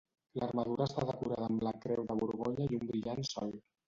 L'armadura està decorada amb la creu de Borgonya i un brillant sol.